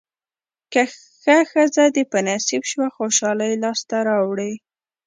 که ښه ښځه دې په نصیب شوه خوشالۍ لاسته راوړې.